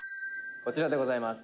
「こちらでございます。